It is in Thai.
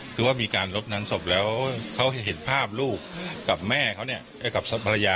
คือว่ามีการลดน้ำศพแล้วเขาเห็นภาพลูกกับแม่เขาเนี่ยกับภรรยา